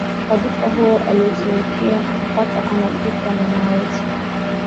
Wadhifa huo aliutumikia mpaka anafikwa na mauti